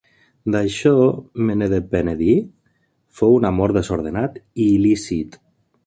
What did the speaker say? D’això, me n’he de penedir? Fou un amor desordenat i il·lícit?